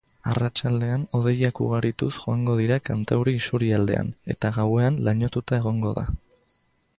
Arratsaldean hodeiak ugarituz joango dira kantauri isurialdean, eta gauean lainotuta egongo da.